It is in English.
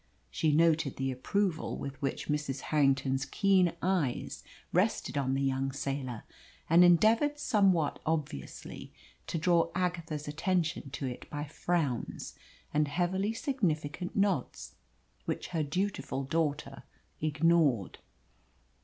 She noted the approval with which Mrs. Harrington's keen eyes rested on the young sailor, and endeavoured somewhat obviously to draw Agatha's attention to it by frowns and heavily significant nods, which her dutiful daughter ignored.